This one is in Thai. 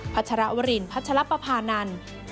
ัชรวรินพัชรปภานันทร์